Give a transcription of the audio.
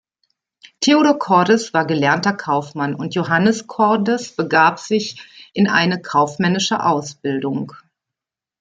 Theodor Cordes war gelernter Kaufmann und Johannes Cordes begab sich in eine kaufmännische Ausbildung.